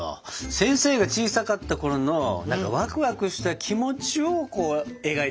先生が小さかったころのワクワクした気持ちを描いてるんだね。